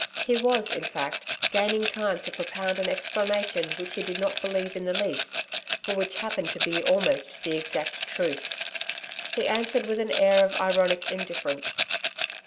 He was, in fact, gaining time to propound an explanation which he did not believe in the least, but which happened to be almost the exact truth. He answered with an air of ironic indifference.